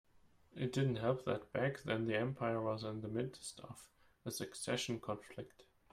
It didn't help that back then the empire was in the midst of a succession conflict.